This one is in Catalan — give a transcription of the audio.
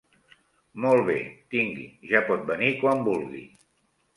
Molt bé. Tingui, ja pot venir quan vulgui.